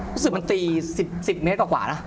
รู้สึกมันตี๑๐เมตรกว่านะ